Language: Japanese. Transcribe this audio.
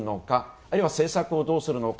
あるいは政策をどうするのか。